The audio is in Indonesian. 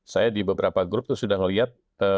saya di beberapa grup itu sudah melihat